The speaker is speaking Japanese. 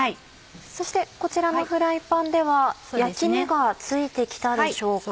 そしてこちらのフライパンでは焼き目がついて来たでしょうか。